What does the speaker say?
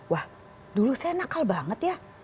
wah dulu saya nakal banget ya